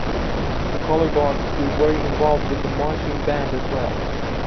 The color guard is very involved with the marching band as well.